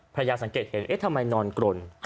พระยาสังเกตเห็นทำไมนอนกรน